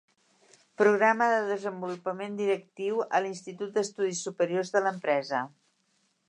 Programa de Desenvolupament Directiu a l'Institut d'Estudis Superiors de l'Empresa.